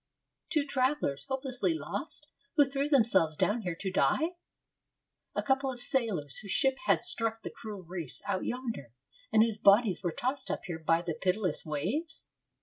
Two travellers, hopelessly lost, who threw themselves down here to die? A couple of sailors, whose ship had struck the cruel reefs out yonder, and whose bodies were tossed up here by the pitiless waves?